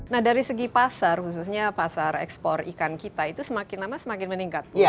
nah dari segi pasar khususnya pasar ekspor ikan kita itu semakin lama semakin meningkat